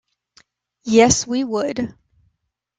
Yes we would.